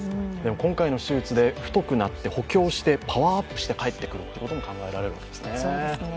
今回の手術で太くなって補強してパワーアップして帰ってくるということも考えられるわけですもんね。